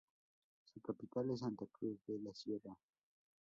Su capital es Santa Cruz de la Sierra.